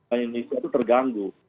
indonesia tuh terganggu